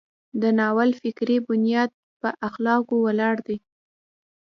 د ناول فکري بنیاد په اخلاقو ولاړ دی.